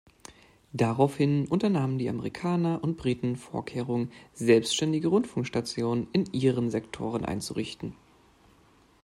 Daraufhin unternahmen die Amerikaner und Briten Vorkehrungen, selbstständige Rundfunkstationen in ihren Sektoren einzurichten.